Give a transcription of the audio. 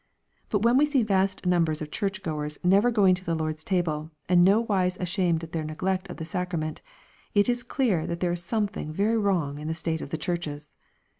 But when we see vast numbers of church goers never going to the Lord's table, and no wise ashamed of their neglect of tlie sacrament, it is clear that there is something very wrong in the state of the churches.